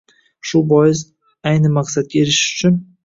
Shu bois, ayni maqsadga erishish uchun kerak